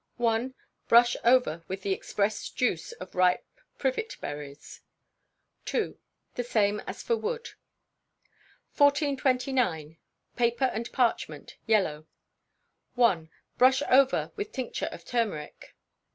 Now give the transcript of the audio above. _ i. Brush over with the expressed juice of ripe privet berries. ii. The same as for wood. 1429. Paper and Parchment._Yellow._ i. Brush over with tincture of turmeric.